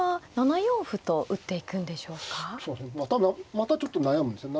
ただまたちょっと悩むんですよね。